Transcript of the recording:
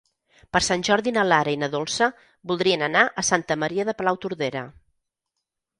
Per Sant Jordi na Lara i na Dolça voldrien anar a Santa Maria de Palautordera.